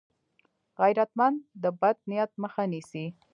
غیرتمند د بد نیت مخه نیسي